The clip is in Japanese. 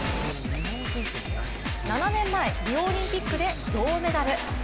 ７年前、リオオリンピックで銅メダル。